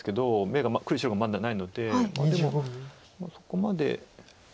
眼がまだないのでまあでもそこまで。